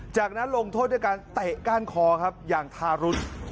จากนั้นลงโทษด้วยการเตะก้านคอครับอย่างทารุณ